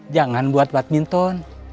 jangan buat badminton